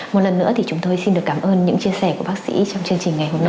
một lần nữa thì chúng tôi xin được cảm ơn những chia sẻ của bác sĩ trong chương trình ngày hôm nay